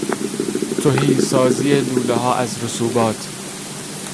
تهیسازی لولهها از رسوبات